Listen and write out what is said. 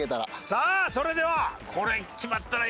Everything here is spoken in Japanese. さあそれでは。